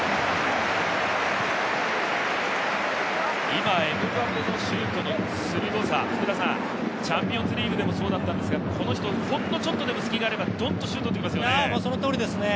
今、エムバペのシュートで、チャンピオンズリーグでもそうだったんですが、この人、ほんのちょっとでも隙があればドンとシュート打ってきますよね。